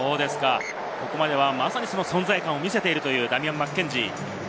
ここまでは、まさに存在感を見せているダミアン・マッケンジー。